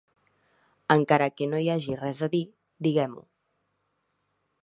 Encara que no hi hagi res a dir, diguem-ho.